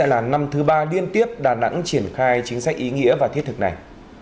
đây là năm thứ ba liên tiếp đà nẵng triển khai chính sách ý nghĩa và thiết thực này